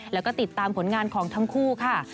แล้วก็ติดตามผลงานของทั้งคู่ค่ะ